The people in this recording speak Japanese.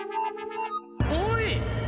おい！